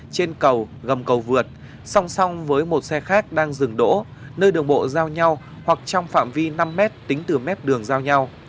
trên cầu gầm cầu vượt song song với một xe khác đang dừng đỗ nơi đường bộ giao nhau hoặc trong phạm vi năm m tính từ mét đường giao nhau